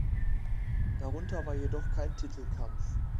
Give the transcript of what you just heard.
Darunter war jedoch kein Titelkampf.